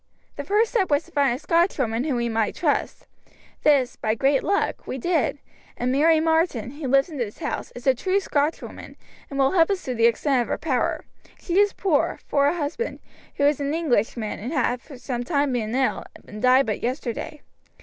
The first step was to find a Scotchwoman whom we might trust. This, by great luck, we did, and Mary Martin, who lives in this house, is a true Scotchwoman, and will help us to the extent of her power; she is poor, for her husband, who is an Englishman, had for some time been ill, and died but yesterday.